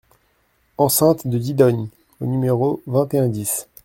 Enceinte de Digogne au numéro vingt et un dix